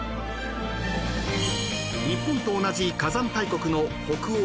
［日本と同じ火山大国の北欧